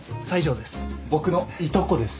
僕のいとこです。